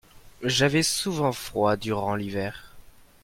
j'avais souvent froid durant l'hiver.